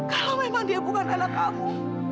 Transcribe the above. kalau memang dia bukan anak kamu